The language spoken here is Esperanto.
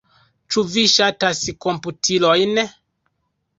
Ĉu vi ŝatas komputilojn?